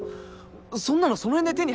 そんなのその辺で手に入る。